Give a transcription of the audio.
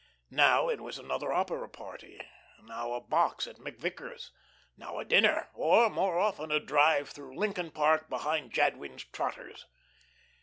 Now it was another opera party, now a box at McVicker's, now a dinner, or more often a drive through Lincoln Park behind Jadwin's trotters.